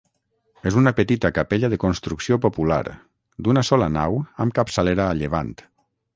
És una petita capella de construcció popular, d'una sola nau amb capçalera a llevant.